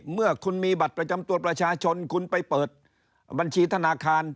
เมื่อคุณมีบัตรประจำตัวประชาชนคุณไปเปิดบัญชีธนาคาร